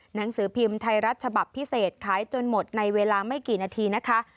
หนังสือพิมพ์ไทยรัฐฉบับพิเศษขายจนหมดในเวลาไม่กี่นาทีนะคะ